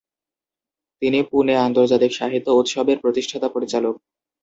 তিনি পুনে আন্তর্জাতিক সাহিত্য উৎসবের প্রতিষ্ঠাতা-পরিচালক।